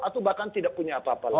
atau bahkan tidak punya apa apa lagi